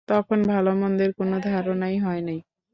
তখন ভালমন্দের কোন ধারণাই হয় নাই।